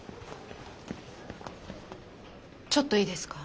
ちょっといいですか？